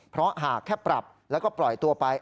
เพราะหากแค่ปรับแล้วก็ปล่อยตัวไป